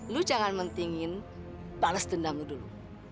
lu jangan mentingin balas dendam lu dulu